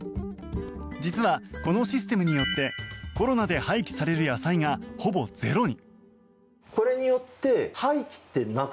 実は、このシステムによってコロナで廃棄される野菜がほぼゼロに。